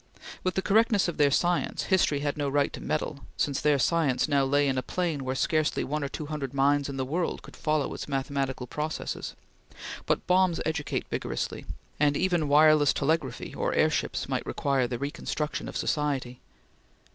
With the correctness of their science, history had no right to meddle, since their science now lay in a plane where scarcely one or two hundred minds in the world could follow its mathematical processes; but bombs educate vigorously, and even wireless telegraphy or airships might require the reconstruction of society.